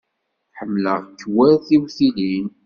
Ḥemmleɣ-k war tiwtilin.